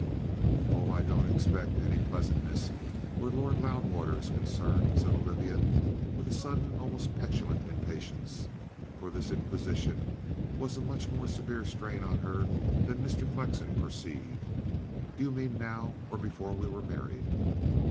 "Oh, I don't expect any pleasantness where Lord Loudwater is concerned," said Olivia, with a sudden almost petulant impatience, for this inquisition was a much more severe strain on her than Mr. Flexen perceived. "Do you mean now, or before we were married?"